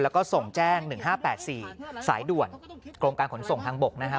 แล้วก็ส่งแจ้ง๑๕๘๔สายด่วนกรมการขนส่งทางบกนะครับ